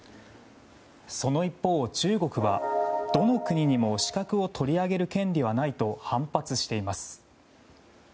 その一方、中国はどの国にも資格を取り上げる権利はないと反発しています。